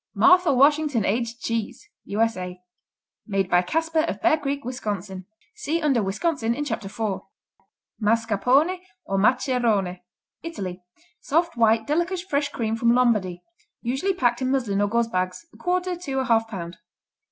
Martha Washington Aged Cheese U.S.A. Made by Kasper of Bear Creek, Wisconsin. (See under Wisconsin in Chapter 4.) Mascarpone, or Macherone Italy Soft; white; delicate fresh cream from Lombardy. Usually packed in muslin or gauze bags, a quarter to a half pound.